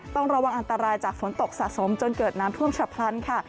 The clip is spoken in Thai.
ต้องระวังอันตรายจากฝนตกสะสมจนเกิดน้ำท่วมฉับพลันค่ะ